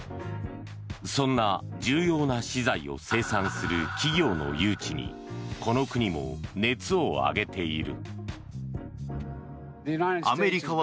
そんな重要な資材を生産する企業の誘致にこの国も熱を上げている。